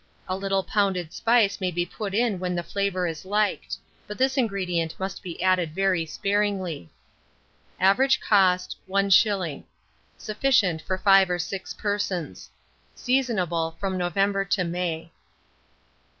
A little pounded spice may be put in when the flavour is liked; but this ingredient must be added very sparingly. Average cost, 1s. Sufficient for 5 or 6 persons. Seasonable from November to May.